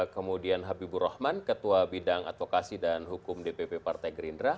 kemudian habibur rahman ketua bidang advokasi dan hukum dpp partai gerindra